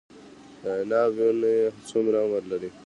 د عناب ونې څومره عمر لري؟